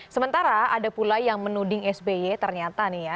sementara ada pula yang menuding sby ternyata nih ya